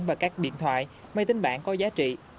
và các điện thoại máy tính bảng có giá trị